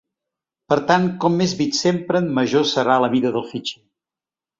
Per tant, com més bits s'empren major serà la mida del fitxer.